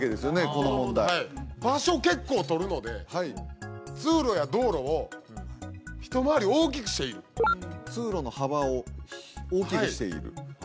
この問題はい場所結構とるので通路や道路を一回り大きくしている通路の幅を大きくしているあはい